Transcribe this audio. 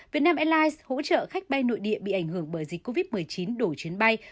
vietnam airlines hỗ trợ khách bay nội địa bị ảnh hưởng bởi dịch covid một mươi chín đổi chuyến bay